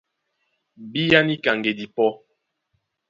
Bíá níka ŋgedi pɔ́!